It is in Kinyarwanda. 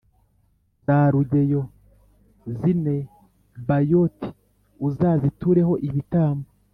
za rugeyo z’i nebayoti uzazitureho ibitambo;